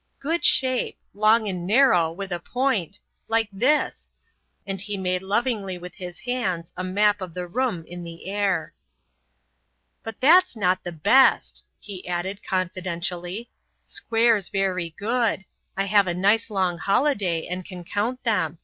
"Good shape. Long and narrow, with a point. Like this," and he made lovingly with his hands a map of the room in the air. "But that's not the best," he added, confidentially. "Squares very good; I have a nice long holiday, and can count them.